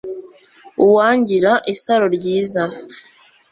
uwangira isaro ryiza